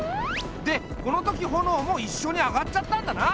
でこの時炎も一緒に上がっちゃったんだな。